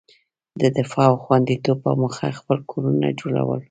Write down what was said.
د دفاع او خوندیتوب په موخه خپل کورونه جوړول.